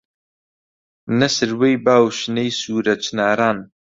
نە سروەی با و شنەی سوورە چناران